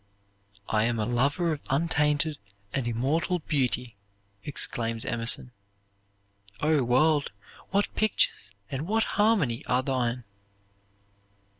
"I am a lover of untainted and immortal beauty," exclaims Emerson. "Oh, world, what pictures and what harmony are thine!"